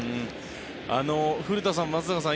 古田さん、松坂さん